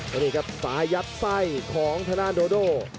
แล้วนี่ครับซ้ายัดไส้ของทางด้านโดโด